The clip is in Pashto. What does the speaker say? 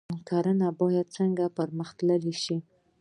کرنه باید څنګه پرمختللې شي؟